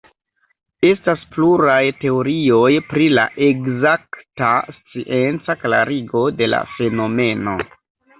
Estas pluraj teorioj pri la ekzakta scienca klarigo de la fenomeno.